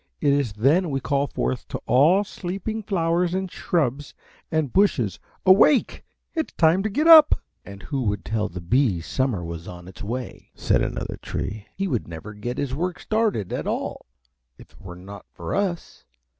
It is then we call forth to all sleeping flowers and shrubs and bushes: 'Awake! It is time to get up!'" "And who would tell the Bee summer was on its way?" said another Tree. "He would never get his work started at all if it were not for us.